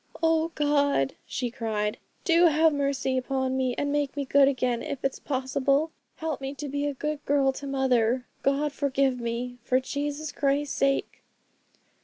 'O God,' she cried, 'do have mercy upon me, and make me good again, if it's possible. Help me to be a good girl to mother. God forgive me for Jesus Christ's sake!'